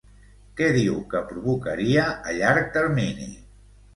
Què diu que provocaria a llarg termini?